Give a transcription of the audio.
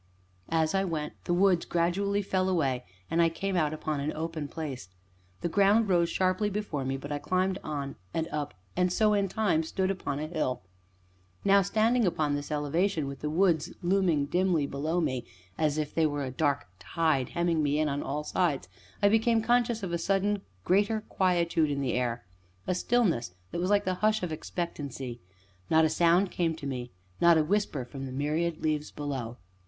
As I went, the woods gradually fell away, and I came out upon an open place. The ground rose sharply before me, but I climbed on and up and so, in time, stood upon a hill. Now, standing upon this elevation, with the woods looming dimly below me, as if they were a dark tide hemming me in on all sides, I became conscious of a sudden great quietude in the air a stillness that was like the hush of expectancy; not a sound came to me, not a whisper from the myriad leaves below.